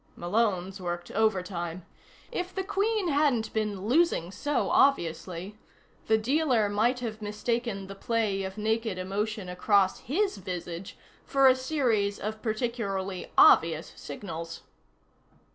Malone's worked overtime. If the Queen hadn't been losing so obviously, the dealer might have mistaken the play of naked emotion across his visage for a series of particularly obvious signals.